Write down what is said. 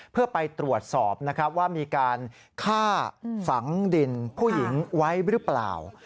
เพื่อไปตรวจสอบนะครับว่ามีการฆ่าฝังดินผู้หญิงไว้หรือเปล่า